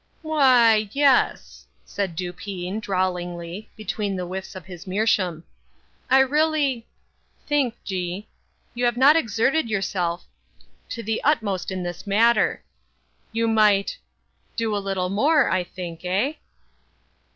"Why, yes," said Dupin, drawlingly, between the whiffs of his meerschaum, "I really—think, G——, you have not exerted yourself—to the utmost in this matter. You might—do a little more, I think, eh?"